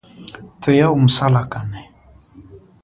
Thweya umu salakane.